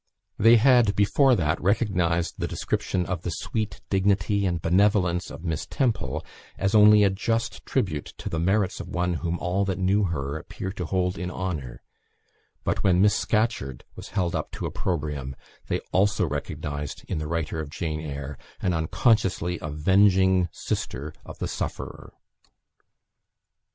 They had, before that, recognised the description of the sweet dignity and benevolence of Miss Temple as only a just tribute to the merits of one whom all that knew her appear to hold in honour; but when Miss Scatcherd was held up to opprobrium they also recognised in the writer of "Jane Eyre" an unconsciously avenging sister of the sufferer.